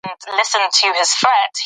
په ننني عصر کې ورځني لګښتونه ډېر شوي دي.